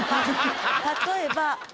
例えば。